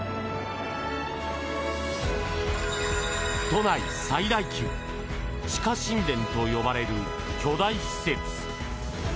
都内最大級地下神殿と呼ばれる巨大施設。